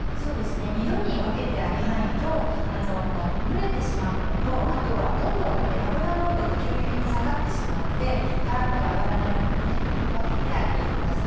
二度に分けて揚げないと蒸れてしまうのとあとは温度が油の温度が急激に下がってしまってカラっと揚がらないので分けて揚げてください。